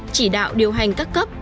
chỉ đạo điều hành các cấp